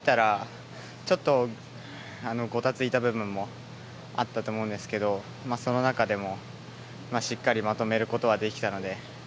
ジャンプ単体で見たらちょっとごたついた部分もあったと思うんですけどその中でもしっかりまとめることはできたので。